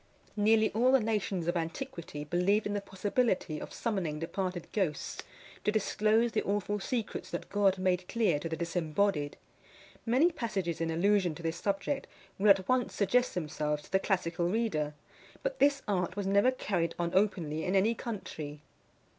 Nearly all the nations of antiquity believed in the possibility of summoning departed ghosts to disclose the awful secrets that God made clear to the disembodied. Many passages in allusion to this subject will at once suggest themselves to the classical reader; but this art was never carried on openly in any country.